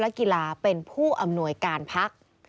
และกีฬาเป็นผู้อำนวยการพัก